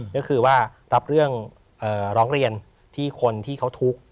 ก็คือว่ารับเรื่องร้องเรียนที่คนที่เขาทุกข์